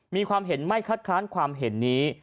มีความเห็นไม่คัดค้านความเห็นนี้